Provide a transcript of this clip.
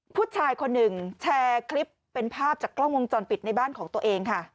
ผู้ชายคนหนึ่งแชร์คลิปเป็นภาพจากกล้องวงจรปิดในบ้านของตัวเองค่ะ